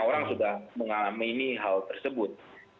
orang sudah mengalami hal tersebut